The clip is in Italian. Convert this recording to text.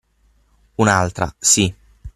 Un'altra, sì.